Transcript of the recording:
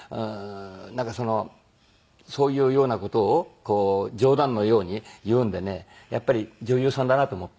なんかそのそういうような事をこう冗談のように言うんでねやっぱり女優さんだなと思って。